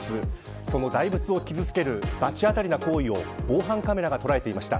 その大仏を傷付ける罰当たりな行為を防犯カメラが捉えていました。